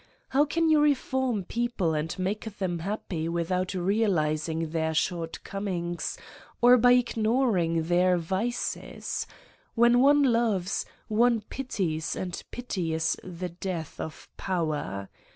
How can you re form people and make them happy without real izing their shortcomings or by ignoring their vices? When one loves, one pities and pity is the death of power.